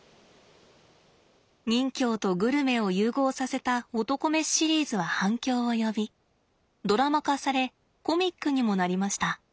任侠とグルメを融合させた「侠飯」シリーズは反響を呼びドラマ化されコミックにもなりました。